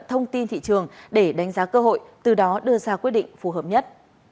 thông tin thị trường để đánh giá cơ hội từ đó đưa ra quyết định phù hợp nhất